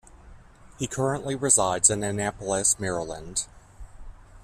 He currently resides in Annapolis, Maryland.